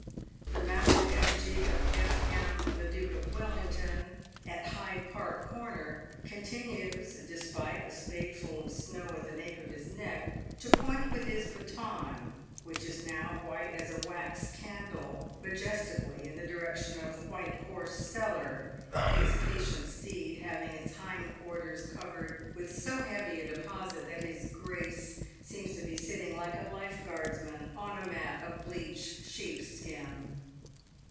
The mounted effigy of E. M. the Duke of "Wellington, at Hyde Park corner, continues, despite a spadeful of snow at the nape of his neck, to point with his baton — which is now white as a wax candle — majestically in the direction of the White Horse Cellar, his patient steed having its hind quarters covered w^ith so heavy a deposit that his Grace seems to be sitting, like a life guardsman, on a mat of bleached sheepskin.